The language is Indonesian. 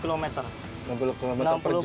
enam puluh km per jam